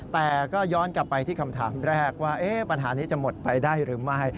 แต่ก็ย้อนกลับไปที่คำถามแรกว่าปัญหานี้จะหมดไปได้หรือไม่